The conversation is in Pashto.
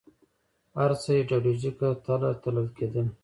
هر څه ایدیالوژیکه تله تلل کېدل